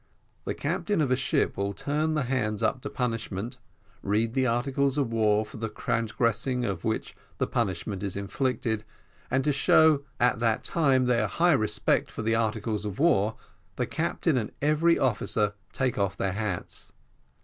The captain of a ship will turn the hands up to punishment, read the article of war for the transgressing of which the punishment is inflicted, and to show at that time their high respect for the articles of war, the captain and every officer take off their hats.